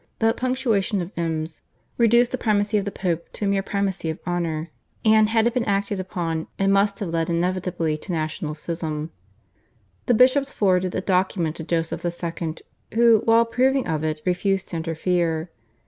The /Punctuation of Ems/ reduced the primacy of the Pope to a mere primacy of honour, and had it been acted upon, it must have led inevitably to national schism. The bishops forwarded a document to Joseph II., who, while approving of it, refused to interfere.